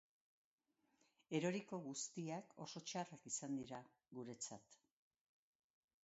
Eroriko guztiak oso txarrak izan dira guretzat.